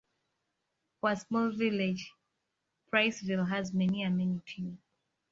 For a small village, Priceville has many amenities.